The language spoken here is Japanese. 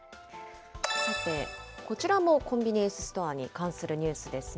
さて、こちらもコンビニエンスストアに関するニュースですね。